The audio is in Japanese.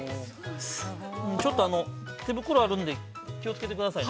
ちょっと手袋あるんで気をつけてくださいね。